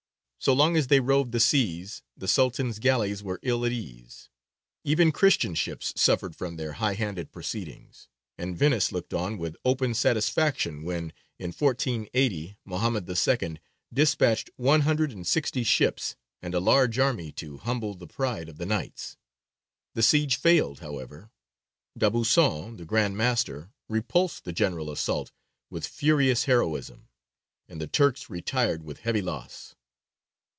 So long as they roved the seas the Sultan's galleys were ill at ease. Even Christian ships suffered from their high handed proceedings, and Venice looked on with open satisfaction when, in 1480, Mohammed II. despatched one hundred and sixty ships and a large army to humble the pride of the Knights. The siege failed, however; D'Aubusson, the Grand Master, repulsed the general assault with furious heroism, and the Turks retired with heavy loss.